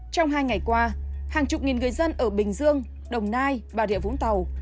trong hai ngày qua hàng chục nghìn người dân ở bình dương đồng nai và địa vũng tàu